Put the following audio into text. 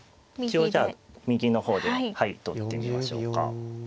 一応じゃあ右の方で取ってみましょうか。